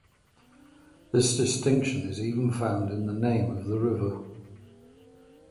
This distinction is even found in the name of the river.